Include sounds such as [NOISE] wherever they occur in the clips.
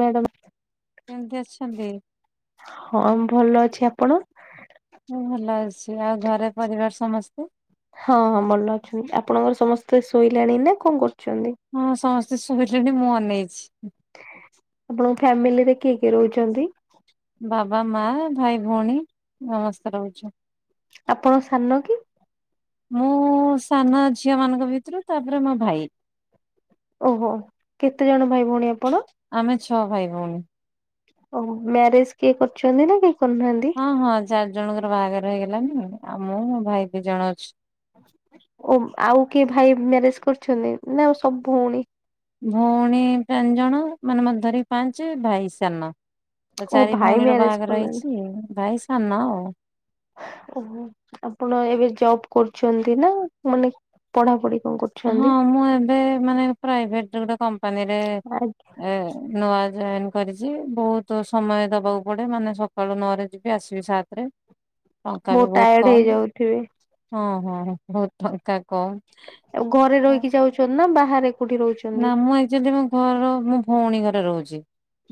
Madam କେମିତି ଅଛନ୍ତି? ହଁ ଭଲ ଅଛି ଆପଣ ମୁଁ ଭଲ ଅଛି। ଆଉ ଘରେ ପରିବାର ସମସ୍ତେ, ହଁ ହଁ ଭଲ ଅଛନ୍ତି। ଆପଣଙ୍କର ସମସ୍ତେ ଶୋଇଲେଣି ନା କଣ କରୁଛନ୍ତି? ହଁ ସମସ୍ତେ ଶୁଭିଛନ୍ତି ମୁଁ ଅନେଇଛି। ଆପଣଙ୍କ ଫ୍ୟାମିଲିରେ କିଏ କିଏ ରହୁଛନ୍ତି? ବାବା, ମା, ଭାଇ, ଭଉଣୀ ସମସ୍ତେ ରହୁଛୁ। ଆପଣ ସାନ କି? ମୁଁ ସାନ ଝିଅ ମାନଙ୍କ ଭିତରୁ ତାପରେ ମୋ ଭାଇ। ଓହୋ, କେତେଜଣ ଭାଇ, ଭଉଣୀ ଆପଣ? ଆମେ ଛଅ ଭାଇ, ଭଉଣୀ। ଓ ମ୍ୟାରେଜ କିଏ କରିଛନ୍ତି ନା କେହି କରିନାହାନ୍ତି? ହଁ ହଁ ଚାରି ଜଣଙ୍କର ବାହାଘର ହେଇଗଲାଣି, ଆଉ ମୁଁ ମୋ ଭାଇ ଦି ଜଣ ଅଛୁ। ଓ ଆଉ କିଏ ଭାଇ ମ୍ୟାରେଜ କରୁଛନ୍ତି ନା ସବୁ ଭଉଣୀ ଭଉଣୀ ପାଞ୍ଚ ଜଣ ମାନେ ମୋତେ ଧରି ପାଞ୍ଚ ଭାଇ ସାନ। ତ ଓ ଚାରି ଭାଇ ଭଉଣୀର ମ୍ୟାରେଜ ବାହାଘର କରିନାହାନ୍ତି ହେଇଛି, ଭାଇ ସାନ ଆଉ। ଓହୋ ଆପଣ ଏବେ ଜବ କରୁଛନ୍ତି ନା ମାନେ ପଢାପଢି କଣ କରୁ ହଁ ମୁଁ ଏବେ ମାନେ ପ୍ରାଇଭେଟ ରେ ଗୋଟେ କମ୍ପାନୀରେ ଏ ନୂଆ ଜଏନ୍ କରିଛି ବହୁତ ସମୟ ଦବାକୁ ପଡେ ମାନେ ସକାଳୁ ନଅରେ ଯିବି ଆସିବି ସାତ ରେ ଟଙ୍କା ବି ବହୁତ ଟାୟାର୍ଡ କମ୍। ହେଇଯାଉଥିବେ ହଁ ହଁ ହଉ ଟଙ୍କା କମ୍ ଆଉ ଘରେ ରହିକି ଯାଉଛନ୍ତି ନା ବାହାରେ କୋଉଠି ରହୁଛନ୍ତି? ନା ମୁଁ ଆକ୍ଚୁଆଲି ମୋ ଘର ମୁଁ ଭଉଣୀ ଘରେ ରହୁଛି।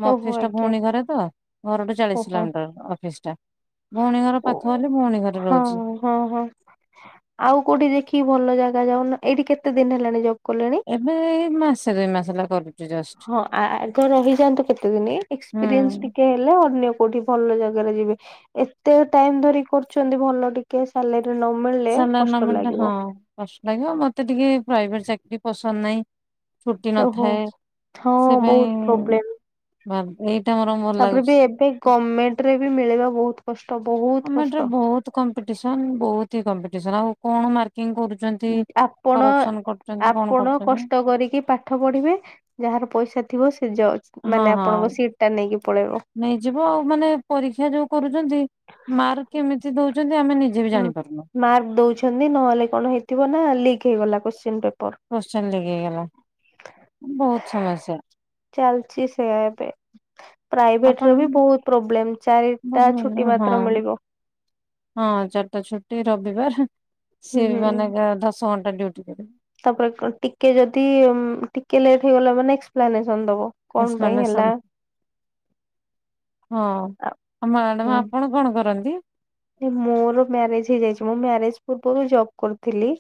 ମୋ ଓହୋ ଅଫିସ ଟା ଆଜ୍ଞା ଭଉଣୀ ଘରେ ତ, ଘରଠୁ ଚାଳିଶ ଓହୋ କିଲୋମିଟର ଅଫିସ ଟା, ଭଉଣୀ ଘର ପାଖ ବୋଲି ଭଉଣୀ ଘରେ ହଁ ରହୁଛି। ହଁ ହଁ ଆଉ କୋଉଠି ଦେଖିକି ଭଲ ଜାଗା ଯାଉନ, ଏଇଠି କେତେ ଦିନ ହେଲାଣି ଜବ୍ କଲେଣି? ଏବେ ଏଇ ମାସେ ଦୁଇ ମାସ ହେଲା କରି ହଁ ଆ ଆଗ ରହିଯାଆନ୍ତୁ କେତେ ଦିନ ହୁଁ ଏକ୍ସପିରିଏନ୍ସ ଟିକେ ଲେ ଅନ୍ୟ କୋଉଠି ଭଲ ଜାଗାରେ ଯିବେ, ଏତେ ଟାଇମ ଧରି କରୁଛନ୍ତି ଭଲ ଟିକେ ଟିକେ ସାଲେରୀ ନ ମିଳିଲେ ସାଲାରି କଷ୍ଟ ନମିଳିଲେ ହଁ ଲାଗିବ। କଷ୍ଟ ଲାଗିବ ମତେ ଟିକେ ପ୍ରାଇଭେଟ ଚାକିରୀ ପସନ୍ଦ ନାହିଁ। ଛୁଟି ଓହୋ ନଥାଏ, ହଁ ସେ ପାଇଁ ବହୁତ ପ୍ରୋବ୍ଲେମ ବା ଏଇଟା ମୋର ଭଲ ତାପରେ ଲାଗୁଛି। ବି ଏବେ ଗର୍ମେଣ୍ଟ ରେ ବି ମିଳିବା ବହୁତ କଷ୍ଟ ବହୁତ ଗମେଣ୍ଟ କଷ୍ଟ। ରେ ବହୁତ କମ୍ପିଟିସନ ବହୁତ ହି କମ୍ପିଟିସନ ଆଉ କଣ ମାର୍କିଂ କରୁ ଆପଣ କଣ ଆପଣ କରୁଛନ୍ତି କଷ୍ଟ କରିକି ପା ପାଠ ପଢିବେ ଯାହାର ପଇସା ଥିବ ସେ ଯ ହଁ ମାନେ ଆପଣଙ୍କ ହଁ। ସିଟ ଟା ନେଇକି ପଳେଇବ। ନେଇଯିବ ଆଉ ମାନେ ପରୀକ୍ଷା ଯୋଉ କରୁଛନ୍ତି ମାର୍କ କେମିତି ଦଉଛନ୍ତି ଆମେ ନିଜେ ବି ଜାଣିପାରୁନୁ। ମାର୍କ ଦଉଛି ନି ନହେଲେ କଣ ହେଇଥିବ ନା ଲିକ୍ ହେଇଗଲା କୋଶ୍ଚିନ ପେପର। କୋଶ୍ଚିନ ଲିକ୍ ହେଇଗଲା, ବହୁତ ସମସ୍ୟା। ଚାଲିଛି ସେୟା ଏବେ। ଆପଣ ପ୍ରାଇଭେଟରେ ବି ବହୁତ ପ୍ରୋବ୍ଲେମ ଭଲ ଚାରିଟା ଛୁଟି ଭଲ ହଁ। ମାତ୍ର ମିଳିବ। ହଁ ଚାରିଟା ଛୁଟି ରବିବାର ହୁଁ ସିଏ ବି ହୁଁ ମାନେ ଯାହା ଦଶ ଘଣ୍ଟା ଡ୍ୟୁଟି କରିବେ। ତାପରେ କଣ ଟିକେ ଯଦି ଉମ ଟିକେ ଲେଟ୍ ହେଇଗଲା ମାନେ ଏକ୍ସପ୍ଲାନେସନ ଦବ। କଣ ପାଇଁ ହେଲା ଏକ୍ସପ୍ଲାନେସନ, ହଁ ଆ ଆଉ ମ୍ୟାଡାମ ହୁଁ। ଆପଣ କଣ କରନ୍ତି? ମୋର ମ୍ୟାରେଜ ହେଇଯାଇଛି ମୁଁ ମ୍ୟାରେଜ ପୂର୍ବରୁ ଜବ କରୁଥିଲି।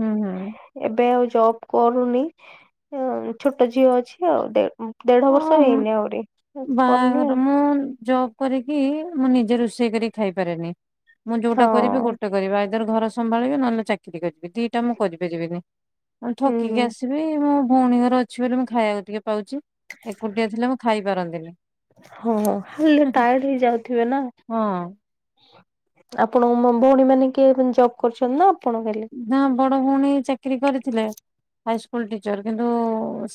ହୁଁ ହୁଁ। ଏବେ ଆଉ ଜବ୍ କରୁନି, ଉମ ଛୋଟ ଝିଅ ଅଛି ଆଉ ଦେ ଉମ ଦେଢ ବର୍ଷ ହଁ। ହେଇନି ଆହୁରି କରିନି ବାହାଘର ଆଉ। ମୁଁ ଜବ୍ କରିକି ମୁଁ ନିଜେ ରୋଷେଇ କରିକି ଖାଇପାରେନି ମୁଁ ହଁ ଯୋଉଟା କରିବି ଗୋଟେ କରିବି ଆଇଦର ଘର ସମ୍ଭାଳିବେ ନହେଲେ ଚାକିରି କରିବି ଦିଟା ମୁଁ କରିପାରିବିନି ଥକି କି ହୁଁ ଆସି ସେଥିପାଇଁ ମୋ ଭଉଣୀ ଘର ଅଛି ବୋଲି ମୁଁ ଖାଇବାକୁ ଟିକେ ପାଉଚି ଏକୁଟିଆ ଥିଲେ ମୁଁ ଖାଇ ପାରନ୍ତିନି। ହଁ ଖାଲି ହୁଁ ହୁଁ ଟାୟାର୍ଡ ହେଇଯାଉଥିବେ ନା। ହଁ ଆପଣଙ୍କ ମ ଭଉଣୀ ମାନେ କିଏ ଜବ୍ କରୁଛନ୍ତି ନା ଆପଣ ଖାଲି? ହଁ ବଡ ଭଉଣୀ ଚାକିରି କରିଥିଲେ ହାଇସ୍କୁଲ ଟିଚର୍ କିନ୍ତୁ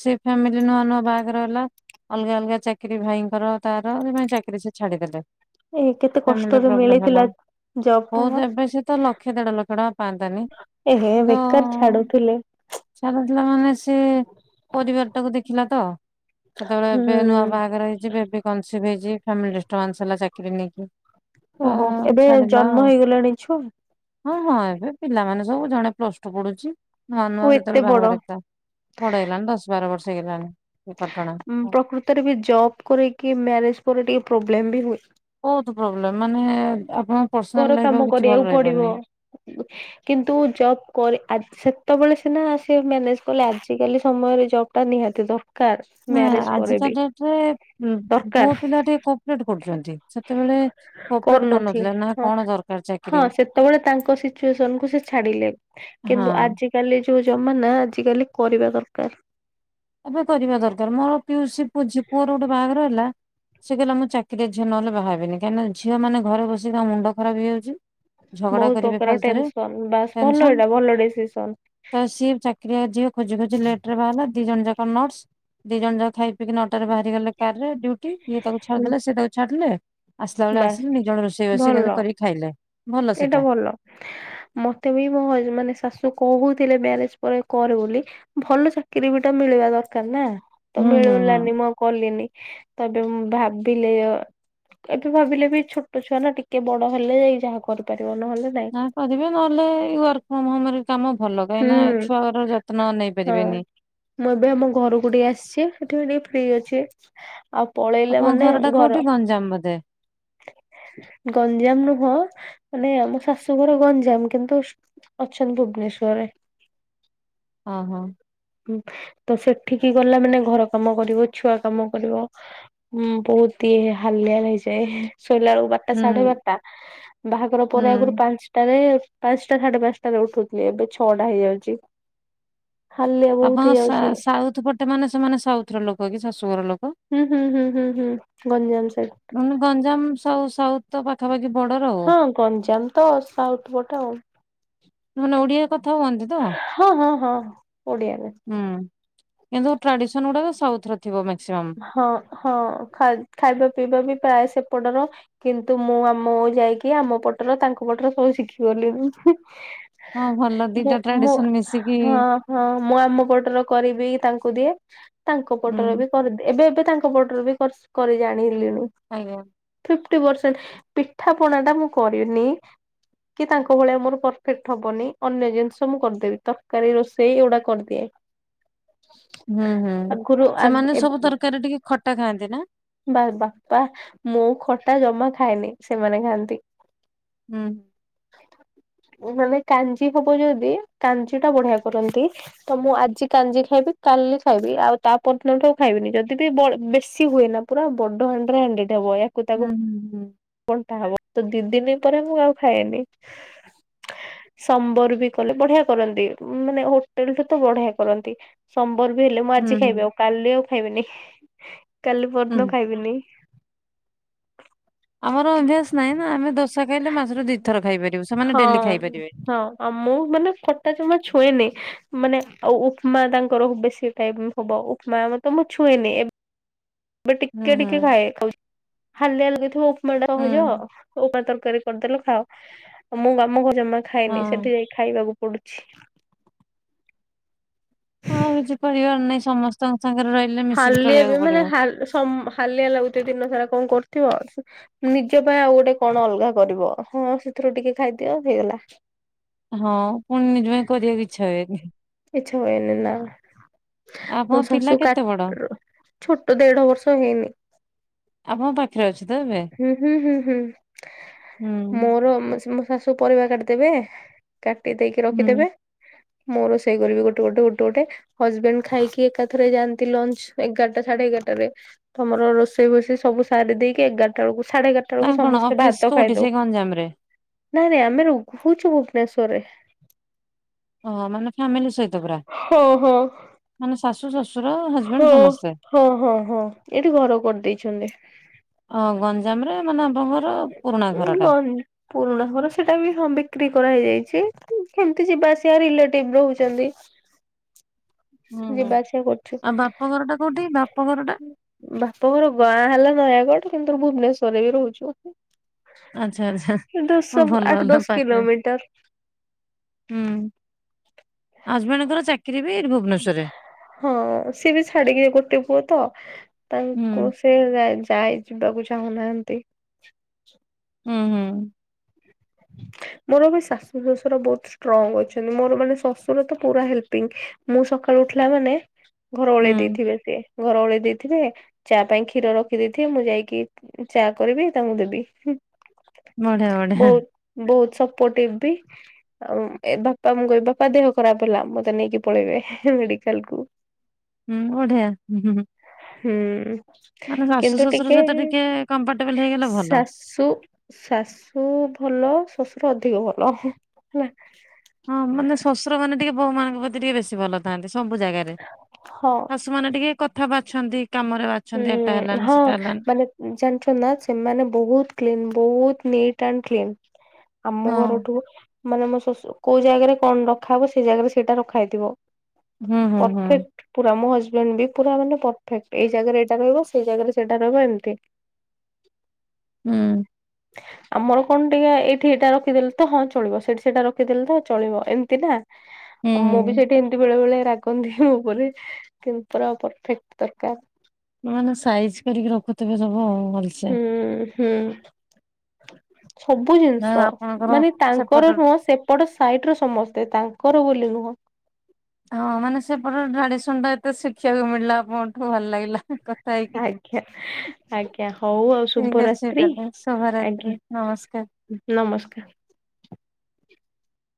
ସେ ଫ୍ୟାମିଲି ନୂଆ ନୂଆ ବାହାଘର ହେଲା ଅଲଗା ଅଲଗା ଚାକିରି ଭାଇଙ୍କର ତାର ସେଇ ପାଇଁ ଚାକିରି ସେ ଛାଡିଦେଲେ। ଏ କେତେ ଫାମିଲି କଷ୍ଟରେ ପ୍ରୋବଲେମ୍ ହେଲା ମିଳିଥିଲା ଜବ ଓ ଟା ବହୁତ ଏବେ ସେ ତ ଲକ୍ଷେ ଦେଢ ଲକ୍ଷ ଟଙ୍କା ପାଆନ୍ତି କାନ୍ତି ଏହେ କିନ୍ତୁ ବେକାର ଛାଡୁଥିଲେ ଇଛା ନଥିଲା ମାନେ ସେ ପରିବାର ଟାକୁ ଦେଖିଲା ତ। ସେତେବେଳେ ହୁଁ। ଏବେ ନୂଆ ବାହାଘର ହେଇଚି ବେବି କନ୍ସିଭ ହେଇଚି ଫାମିଲି ଡିଷ୍ଟବାନ୍ସ ହେଲା ଚାକିରି କୁ ନେଇକି। ତ ଓହୋ ଏବେ ଛାଡିଲା ଜନ୍ମ ଆଉ ହେଇଗଲାଣି ଛୁ ହଁ ହଁ ଏବେ ପିଲାମାନେ ସବୁ ଜଣେ ପ୍ଲସ ଟୁ ପଢୁଚି ନୂଆ ନୂଆ ଓ ଏତେ ଯେତେବେଳେ ବଡ। ବାହାଘର ହେଇଥିଲା ବଡ ହେଲାଣି ଦଶ ବାର ବର୍ଷ ହେଇଗଲାଣି ଏ ଘଟଣା। ପ୍ରକୃତରେ ବି ଜବ୍ କରି କିି ମ୍ୟାରେଜ୍ ପରେ ଟିକେ ପ୍ରୋବ୍ଲେମ ବି ହୁଏ। ବହୁତ ପ୍ରୋବ୍ଲେମ୍ ମାନେ ଆପଣ ଘର କାମ କରିବାକୁ ପଡିବ କିନ୍ତୁ ଜବ୍ କରି ଆ-ସେତେବେଳେ ସିନା ସେ ମ୍ୟାନେଜ୍ କଲେ ଆଜିକାଲି ସମୟରେ ଜବ୍ ଟା ନିହାତି ଦର ନା ଆଜିକା ଡେଟ୍ ରେ ଉ ପୁଅ ଦରକାର ପିଲାଟି କୋପ୍ରେଟ୍ କରୁଚନ୍ତି ସେତେବେଳେ କୋପ୍ରେଟ କରୁନଥିଲେ ନା କଣ ଦରକାର ହଁ ଚାକିରି ସେତେବେଳେ ତାଙ୍କ ସିଚୁଏସନ୍ କୁ ସେ ଛାଡିଲେ କିନ୍ତୁ ହଁ ଆଜି ଆଜ କାଲି ଯୋଉ ଜମା ନା ଆଜିକାଲି କରିବା ଦରକାର୍। ଏବେ କରିବା ଦରକାର ମୋ ପିଉସୀ ପୁ-ଝି- ପୁଅର ଗୋଟେ ବାହାଘର ହେଲା ସେ କହିଲା ମୁଁ ଚାକିରି ଝିଅ ନହେଲେ ବାହା ହେବିନି କାହିଁକିନା ଝିଅ ମାନେ ଘରେ ବସି ତାଙ୍କ ମୁଣ୍ଡ ଖରାପ୍ ହେଇଯାଉଚି। ଝଗଡା ବହୁତ କରିବେ ପ୍ରକାର ଫାଲତୁରେ ଟେନସନ ବାସ୍ ଭଲ ଟେନସନ ଏଇଟା ଭଲ ଡିସିସନ ତ ସିଏ ଚାକ୍ ଚାକିରିଆ ଝିଅ ଖୋଜି ଖୋଜି ଲେଟ୍ ରେ ବାହାହେଲେ ଦି ଜଣ ଯାକ ନର୍ସ ଦି ଜଣ ଯାକ ଖାଇ ପି କି ନ ଟା ରେ ବାହାରି ଗଲେ କାରରେ ଡିଉ ଟି ଇଏ ତାକୁ ଛାଡିଦେଲେ ସିଏ ତାକୁ ଛାଡିଲେ ଆସିଲା ବେଳେ ବାସ୍ ଆସିଲେ ନିଜ ରୋଷେଇ ରୋଷେଇ ଭଲ କରିକି ଖାଇଲେ। ଭଲ ଏଇଟା ସେଟା। ଭଲ। ମତେ ବି ମୋ ହଜ୍ ମାନେ ଶାଶୁ କହୁଥିଲେ ମ୍ୟାରେଜ୍ ପରେ କରେ ବୋଲି ଭଲ ଚାକିରୀ ଗୋଟେ ମିଳିବା ଦରକାର ନା ତ ହୁଁ ହୁଁ ହୁଁ। ମିଳିଲାନି ମୁଁ ଆଉ କଲିନି ତବେ ମୁଁ ଭାବିଲେ ଏବେ ଭାବିଲେ ବି ଛୋଟ ଛୁଆ ନା ଟିକେ ବଡ ହେଲେ ଯାଇ ଯାହା କରିପାରିବ ନହେଲେ ନାଇଁ। ନ କରିବେ ନହେଲେ ଏଇ ୱାର୍କ ଫ୍ରମ ହୋମରେ କାମ ଭଲ କାହିଁକି ନା ହୁଁ। ଛୁଆର ଯତ୍ନ ନେଇ ହଁ ପାରିବେନି। ମୁଁ ଏବେ ଆମ ଘରକୁ ଟିକେ ଆସିଚି ସେଠି ଟିକେ ଫ୍ରି ଅଛି। ଆଉ ପଳେଇଲେ ମାନେ ଘର ଜମ୍ ବୋଧେ? ଗଞ୍ଜାମ ନୁହେଁ ମାନେ ଆମ ଶାଶୁଘର ଗଞ୍ଜାମ କିନ୍ତୁ ଅଛୁ ଭୁବନେଶ୍ଵର୍ ରେ। ଓହୋ। ତ ସେଠିକି ଗଲା ମାନେ ଘର କାମ କରିବ ଛୁଆ କାମ କରିବ। ହୁଁ ବହୁତ ଇଏ ହାଲିଆ ହେଇଯାଏ। ଶୋଇଲା ବେଳକୁ ବାରଟା ହୁଁ ସାଢେ ବାରଟା ବାହାଘର ପରେ ଆଗରୁ ହୁଁ। ପାଞ୍ଚ୍ ଟାରେ ପାଞ୍ଚଟା ସାଢେ ପାଞ୍ଚଟାରେ ଉଠୁଥିଲି ଏବେ ଛଅଟା ହେଇଯାଉଚି। ଆପଣଙ୍କ ସା- ସାଉଥ୍ ପଟେ ମାନେ ସେମାନେ ସାଉଥ୍ ର ଲୋକ କି ଶାଶୁଘର ଲୋକ? ହୁଁ ହୁଁ ହୁଁ ହୁଁ ହୁଁ ଗଞ୍ଜାମ ସାଇଟ୍। ହୁଁ ଗଞ୍ଜାମ ସ ସାଉଥ୍ ତ ପାଖାପାଖି ବଡର୍ ଆଉ। ହଁ ଗଞ୍ଜାମ ତ ସାଉଥ୍ ପଟେ ଆଉ। ମାନେ ଓଡିଆ କଥା ହୁଅନ୍ତି ତ? ହଁ ହଁ ହଁ ଓଡିଆରେ ହୁଁ। କିନ୍ତୁ ଟ୍ରାଡିସନ ଗୁଡାକ ସାଉଥର ଥିବ ମାକ୍ସିମମ୍। ହଁ ହଁ ଖାଇ ଖାଇବା ପିଇବା ବି ପ୍ରାୟ ସେପଟର। କିନ୍ତୁ ମୁଁ ଆମ ଯାଇକି ଆମ ପଟର ତାଙ୍କ ପଟରେ ସବୁ ଶିଖି ଗଲିନି। ହଁ ଭଲ ମୁ ଦିଟା ମୁ ଟ୍ରାଡିସନ ମିଶିକି ହଁ ହଁ ମୁଁ ଆମ ପଟର କରି ବି ତାଙ୍କୁ ଦିଏ ତାଙ୍କ ପଟରେ ହୁଁ ବି କରି ଏବେ ଏବେ ତାଙ୍କ ପଟରୁ ବି କର କରି ଜାଣିିଲିଣି। ଆଜ୍ଞା। ଫିଫଟି ପରସେଣ୍ଟ ପିଠା ପଣା ଟା ମୁଁ କରିନି। କି ତାଙ୍କ ଭଳିଆ ମୋର ପରଫେକ୍ଟ ହବନି। ଅନ୍ୟ ଜିନିଷ ମୁଁ କରିଦେବି ତରକାରୀ ରୋଷେଇ ଏଗୁଡା କରିଦିଏ। [INAUDIBLE] ହୁଁ ହୁଁ ଆଗରୁ ସେମାନେ ସବୁ ତରକାରୀ ଟିକେ ଖଟା ଖାଆନ୍ତି ନା? ବା ବାପା ମୁଁ ଖଟା ଜମା ଖାଏନି ସେମାନେ ଖାଆନ୍ତି। ହୁଁ। ମୁଁ ମାନେ କାଞ୍ଜି ହବ ଯଦି କାଞ୍ଜି ଟା ବଢିଆ କରନ୍ତି। ତ ମୁଁ ଆଜି କାଞ୍ଜି ଖାଇବି କାଲି ଖାଇବି ଆଉ ତା ପର୍ଯ୍ୟନ୍ତ ଦିନ ଠୁ ଆଉ ଖାଇବିନି ଯଦି ବି ବ ବେଶୀ ହୁଏ ନା ପୁରା ବଡ ହାଡିରେ ହଣ୍ଡିଟା ହବ ବା। ହୁଁ ହୁଁ ହୁଁ। କଣଟା ହବ ତ ଦି ଦିନ ପରେ ମୁଁ ଆଉ ଖାଏନି। ସମ୍ବର ବି କଲେ ବଢିଆ କରନ୍ତି ମାନେ ହୋଟେଲଠୁ ତ ବଢିଆ କରନ୍ତି। ସମ୍ବର ବି ହେଲେ ମୁଁ ହୁଁ ଆଜି ହୁଁ ଖାଇବି। ଆଉ କାଲି ଆଉ ଖାଇବନି କାଲି ପହର ଦିନ ହୁଁ। ଆଉ ଖାଇବିନି। ଆମର ଅଭ୍ୟାସ ନାହିଁ ନା। ଆମେ ଦଶା ଖାଇଲେ ମାସରେ ଦିଥର ଖାଇପାର ହଁ ହଁ। ଆଉ ମୁଁ ମାନେ ଖଟା ଜମା ଛୁଏଁନି, ମାନେ ଆଉ ଉ - ଉପମା ତାଙ୍କର ବେଶୀ ଟାଇମ୍ ହବ। ଉପମା ମତେ ମୁଁ ଛୁଏନି। ଏ ବେ ହୁଁ ଟିକେ ହୁଁ ଟିକେ ଖାଏ ଖାଉ ହାଲିଆ ହାଲଗ ଥିବ ଉପମା ସହଜ। ହୁଁ। ଉପମା ତରକାରୀ କରିଦେଲ ଖାଅ। ଆଉ ମୁଁ ଆମ ଘ ଜମା ଖାଇନି ହଁ ସେଠି ଯାଇକି ଖାଇବାକୁ ପଡୁଚି। ଆଉ କିଛି କରିବାର ନାଇଁ ସମସ୍ତଙ୍କ ସାଙ୍ଗରେ ରହ ହାଲିଆ ବି ମାନେ ହାଲିଆ ଲାଗୁଥିବ ଦିନ ସାରା କଣ କରୁଥିବ ଆଉ। ନିଜ ପାଇଁ ଆଉ ଗୋଟେ କଣ ଅଲଗା କରିବ ହଁ ସେଥିରୁ ଟିକେ ଖାଇଦିଅ ହେଇଗଲା। ହଁ ପୁଣି ନିଜ ପାଇଁ କରିବାକୁ ଇଚ୍ଛା ହୁଏନି। ଇଛା ହୁନି ନା। ମୁଁ ଆପଣଙ୍କ ପିଲା ଶାଶୁ କା କେତେ ବଡ? ଛୋଟ ଦେଢ ବର୍ଷ ହେଇନି। ଆପଣଙ୍କ ପାଖରେ ଅଛି ତ ଏବେ ହୁଁ ହୁଁ ହୁଁ ହୁଁ ହୁଁ ମୋର ସାଶୁ ଶାଶୁ ପରିବା କାଟିଦେବେ କାଟି ଦେଇକି ହୁଁ ରଖିଦେବେ ମୁ ସେଇ କରିବେ ଗୋଟେ ଗୋଟେ ଗୋଟେ ହଜବେଣ୍ଡ ଖାଇକି ଏକାଥରେ ଯାଆନ୍ତି ଲଞ୍ଚ ଏଗାରଟା ସାଢେ ଏଗାରଟାରେ। ତମର ରୋଷେଇ ଫୋଷେଇ ସବୁ ସାରି ଦେଇକି ଏଗାରଟା ବେଳକୁ ସାଢେଗାରଟା ବେଳକୁ ତାଙ୍କ କଣ ସମସ୍ତେ ଅଫିସ ଭାତ କୋଉଠି ଖାଇଦଉ ସେଇ ଗଞ୍ଜାମ ରେ ନାଇଁ ନାଇଁ ଆମେ ରହୁଛୁ ଭୂବନେଶ୍ୱରେର। ଓହ ମାନେ ଫ୍ୟାମିଲି ସହିତ ପୁରା ହଁ ହଁ ମାନେ ଶାଶୁ ଶଶୁ ହଁ ହଁ ହଁ ହଁ ଏଇଠି ଘର କରିଦେଇଛନ୍ତି। ହଁ ଗଞ୍ଜାମ ରେ ମାନେ ପୁରୁଣା ହଁ ଘର ଏଇଠି ଟା। ରହିବି। ପୁରୁଣା ଘର ସେଟା ବି ହଁ ବିକ୍ରି କରାହଇ ଯାଇଛି କେମିତି ଯିବା ଆସିବା ରିଲେଟିଭ ରହୁଛନ୍ତି। ହୁଁ ହୁଁ ଯିବାଆସିବା କରୁଛୁ। ଆଉ ବାପଘର ଟା କୋଉଠି ବାପଘର ଟା ବାପା ଘର ଗାଁ ହେଲା ନୟାଗଡ କିନ୍ତୁ ଭୁବନେଶ୍ଵରରେ ବି ରହୁଛୁ। ଆଚ୍ଛା ଆଚ୍ଛା ଦଶ ହ ଆଠ ଭଲ ହେଲା ଦଶ ପାଖରେ କିଲୋମିଟର ହୁଁ ହଜବେଣ୍ଡଙ୍କର [UNINTELLIGIBLE] ହଁ ସିଏ ବି ଛାଡିକି ଗୋଟେ ପୁଅ ତ ହୁଁ ତାଙ୍କୁ ସେ ଯାଇ ଯିବାକୁ ଚାହୁଁନାହାଁନ୍ତି। ହୁଁ ହୁଁ। ମୋର ବି ଶାଶୁ ଶଶୁର ବହୁତ ଷ୍ଟ୍ରଙ୍ଗ ଅଛନ୍ତି ମୋର ମାନେ ଶଶୁର ତ ପୁରା ହେଲ୍ପିଙ୍ଗ ମୁଁ ସକାଳୁ ଉଠିଲା ମାନେ ଘର ଓଳେଇ ହୁଁ। ଦେଇଥିବେ ସିଏ ଘର ଓଳେଇ ଦେଇଥିବେ ଚା ପାଇଁ କ୍ଷୀର ରଖିଦେଇଥିବେ ମୁଁ ଯାଇକି ଚା କରିବି ତାଙ୍କୁ ଦେବି। ବଢିଆ ବଢିଆ ବହୁତ ବହୁତ ସପୋର୍ଟିଭ ବି। ଆଉ ଏ ବାପା ମୁଁ କହିବି ବାପା ଦେହ ଖରାପ ହେଲା ମତେ ନେଇକି ପଳେଇବେ ମେଡିକାଲ କୁ ହୁଁ ବଢ଼ିଆ ହୁଁ। ହୁଁ ମାନେ ଶାଶୁ କିନ୍ତୁ ଶ୍ୱଶୁର ଟିକେ ସହିତ କମ୍ଫର୍ଟେବଲ ହେଇଗଲେ ଭଲ। ସାଶୁ ଶାଶୁ ଶାଶୁ ଭଲ ଶଶୁର ଅଧିକ ଭଲ ହେଲା। ହଁ ମାନେ ଶ୍ୱଶୁର ମାନେ ଟିକେ ବୋହୁ ମାନଙ୍କ ପ୍ରତି ଟିକେ ବେଶୀ ଭଲ ଥାନ୍ତି ସବୁ ଜାଗାରେ ହଁ। ମାନେ ଟିକେ କଥା ବାଛନ୍ତି କାମରେ ବାଛନ୍ତି ଏଟା ହୁଁ ହେଲାନି ହଁ ସେଟା ହେଲାନି ମାନେ ଜାଣିଛ ନା ସେମାନେ ବହୁତ କ୍ଲିନ ବହୁତ ନିଟ୍ ଆଣ୍ଡ କ୍ଲିନ ଆମ ହଁ। ଘରଠୁ ମାନେ ମୋ ଶଶୁ କୋଉ ଜାଗାରେ କଣ ରଖାହବ ସେ ଜାଗାରେ ସେଇଟା ରଖା ହେଇଥିବ। ହୁଁ ହୁଁ ହୁଁ ପରଫେକ୍ଟ ପୁରା ମୋ ହଜବେଣ୍ଡ ବି ପୁରା ମାନେ ପରଫେକ୍ଟ ଏ ଏଜାଗାରେ ଏଇଟା ରହିବ ସେଇ ଜାଗାରେ ସେଇଟା ରହିବ ଏମିତି ହୁଁ। ଆମର କଣ ଟିକେ ଏଇଠି ଏଇଟା ରଖିଦେଲେ ତ ହଁ ଚଳିବ ସେଇଠି ସେଇଟା ରଖିଦେଲେ ତ ଚଳିବ ଏମିତି ନା। ହୁଁ ଆଉ ମୁଁ ବି ହୁଁ। ସେଠି ଏମିତି ବେଳେ ବେଳେ ରାଗ ମୋ ଉପରେ କିନ୍ତୁ ପ ପରଫେକ୍ଟ ଦରକାର। ମାନେ ସାଇଜ୍ କରିକି ରଖୁଥିବେ ସବୁ ଭଲ ହୁଁ ହୁଁ। ସବୁ ଯାହା ହଉ ଜିନିଷ ଆପଣଙ୍କର ମାନେ ସେପଟ ତାଙ୍କର ନୁହଁ ସେ ସେପଟ ସାଇଟ୍ ର ସମସ୍ତେ, ତାଙ୍କର ବୋଲି ନୁହଁ। ହଁ ମାନେ ସେପଟ ଟ୍ରାଡିସନ ଟା ଏତେ ଶିଖିବାକୁ ମିଳିଲା ଆପଣଙ୍କଠୁ ଭଲ ଲାଗିଲା। କଥା ହେଇକି, ଆଜ୍ଞା ଆଜ୍ଞା ହଉ ଆଉ ଠିକ ଅଛି ଶୁଭରାତ୍ରି ତାହେଲେ ଆଜ୍ଞା ଶୁଭରାତ୍ରି। ନମସ୍କାର। ନମସ୍କାର।